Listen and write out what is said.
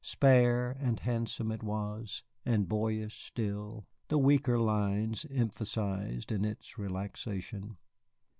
Spare and handsome it was, and boyish still, the weaker lines emphasized in its relaxation.